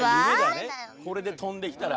これで飛んできたら」